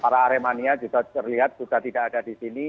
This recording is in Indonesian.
para aremania juga terlihat sudah tidak ada di sini